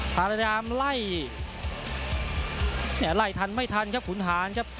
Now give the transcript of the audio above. ภารกรรมไล่ไล่ทันไม่ทันครับขุนทานครับ